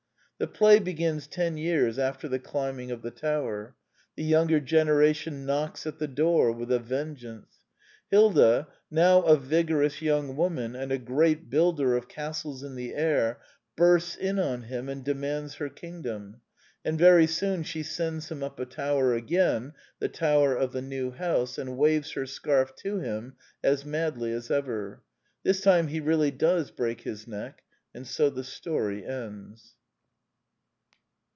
The play begins ten years after the climbing of the tower. The younger generation knocks at the door with a vengeance. Hilda, now a vigor ous young woman, and a great builder of castles in the air, bursts in on him and demands her king dom; and very soon she sends him up a tower again (the tower of the new house) and waves her scarf to him as madly as ever. This time he really does break his neck ; and so the story ends.